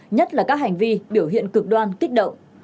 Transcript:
nhất là các hành vi biểu hiện cực đoan kích động